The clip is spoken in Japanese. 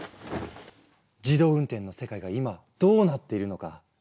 自動運転の世界が今どうなっているのか。